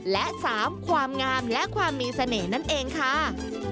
และ๓ความงามและความมีเสน่ห์นั่นเองค่ะ